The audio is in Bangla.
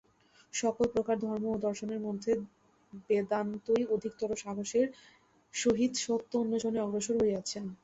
সকল প্রকার ধর্ম ও দর্শনের মধ্যে বেদান্তই অধিকতর সাহসের সহিত সত্য-অন্বেষণে অগ্রসর হইয়াছেন।